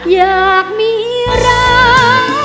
อยากมีรัก